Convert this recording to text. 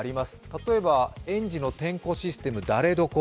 例えば園児の点呼システム、ダレドコ。